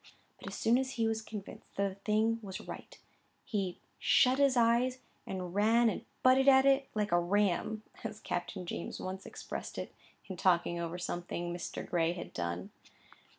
But as soon as he was convinced that a thing was right, he "shut his eyes and ran and butted at it like a ram," as Captain James once expressed it, in talking over something Mr. Gray had done.